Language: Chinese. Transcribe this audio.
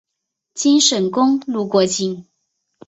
京沈公路过境。